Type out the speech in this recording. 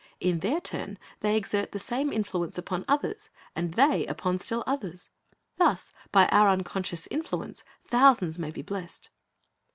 In their turn they exert the same influence upon others, and they upon still others. Thus by our unconscious influence thousands may be blessed.